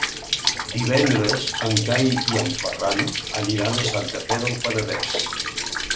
Divendres en Cai i en Ferran aniran a Santa Fe del Penedès.